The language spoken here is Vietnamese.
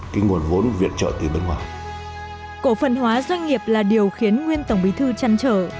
cổ phần hóa doanh nghiệp là điều khiến nguyên tổng bí thư trăn trở